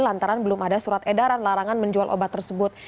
lantaran belum ada surat edaran larangan menjual obat tersebut